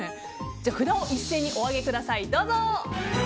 札を一斉にお上げください。